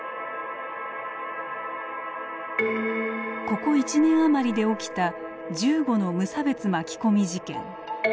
ここ１年余りで起きた１５の無差別巻き込み事件。